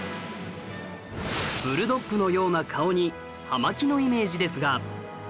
ブルドッグのような顔に葉巻のイメージですが